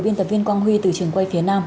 biên tập viên quang huy từ trường quay phía nam